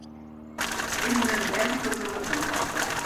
És una novel·la sobre la vida.